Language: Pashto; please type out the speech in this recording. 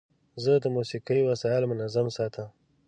زه د موسیقۍ وسایل منظم ساتم.